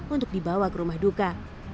untuk dibawa ke rumah duka